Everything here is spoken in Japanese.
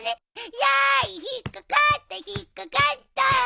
やい引っ掛かった引っ掛かった。